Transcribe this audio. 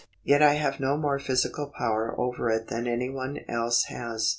Yet I have no more physical power over it than any one else has.